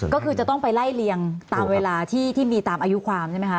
ก็คือจะต้องไปไล่เรียงตามเวลาที่มีตามอายุความใช่ไหมคะ